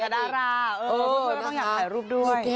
ก็หล่อยอ่ะอย่างคณราเออเพื่อนต้องอยากถ่ายรูปด้วย